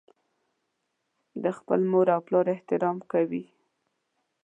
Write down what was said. د خپل مور او پلار احترام کوي.